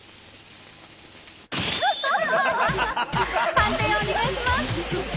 判定をお願いします。